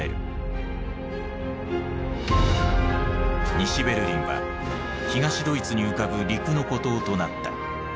西ベルリンは東ドイツに浮かぶ陸の孤島となった。